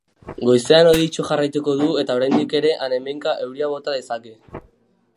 Goizean hodeitsu jarraituko du eta oraindik ere han-hemenka euria bota dezake.